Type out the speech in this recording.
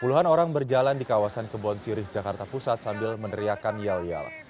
puluhan orang berjalan di kawasan kebon sirih jakarta pusat sambil meneriakan yel yel